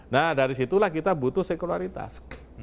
nah dari situlah kita butuh sekularitas